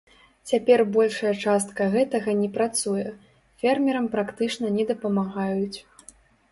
Цяпер большая частка гэтага не працуе, фермерам практычна не дапамагаюць.